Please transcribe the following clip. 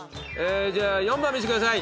じゃあ４番見せてください。